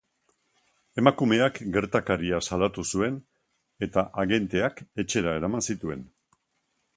Emakumeak gertakaria salatu zuen eta agenteak etxera eraman zituen.